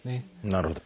なるほど。